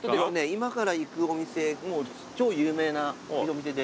今から行くお店超有名なお店で。